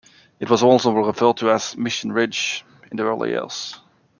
It was also referred to as "Mission Ridge" in the early years.